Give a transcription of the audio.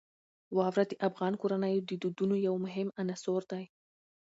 واوره د افغان کورنیو د دودونو یو مهم عنصر دی.